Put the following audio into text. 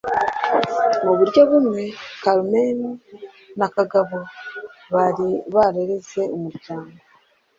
Mu buryo bumwe, Carmen na Kagabo bari barareze umuryango.